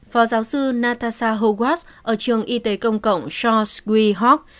phó giáo sư natasha hogwarts ở trường y tế công cộng charles g hawke